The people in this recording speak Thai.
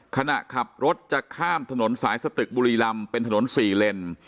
ขณะขับรถจะข้ามถนนสายสตึกบุรีลำเป็นถนน๔เลน